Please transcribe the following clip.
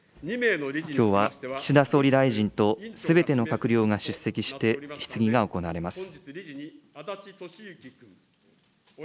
きょうは岸田総理大臣とすべての閣僚が出席して、質疑が行われます。